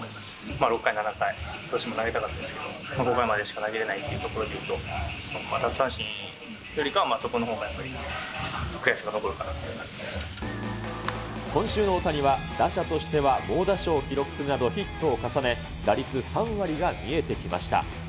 ６回、７回、どうしても投げたかったですけど、５回までしか投げれないというところで言うと、奪三振よりかはそこのほうにやっ今週の大谷は、打者としては猛打賞を記録するなどヒットを重ね、打率３割が見えてきました。